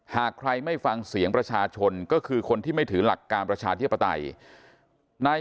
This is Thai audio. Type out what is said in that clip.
หากใครไม่ฟังเสียงประชาชนก็คือคนที่ไม่ถือหลักการประชาธิปไตยนาย